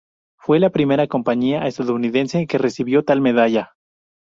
Fue la primera compañía estadounidense que recibió tal medalla.